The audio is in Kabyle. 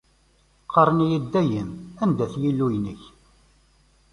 Qqaren-iyi-d dayem: "Anda-t Yillu-yik?"